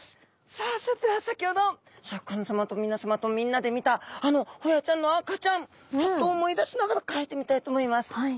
さあそれでは先ほどシャーク香音さまと皆さまとみんなで見たあのホヤちゃんの赤ちゃんちょっと思い出しながら描いてみたいと思います。